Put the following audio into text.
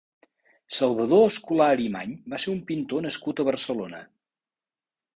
Salvador Escolá Arimany va ser un pintor nascut a Barcelona.